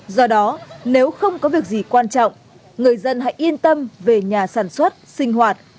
do đó nếu không có việc gì quan trọng người dân hãy yên tâm về nhà sản xuất sinh hoạt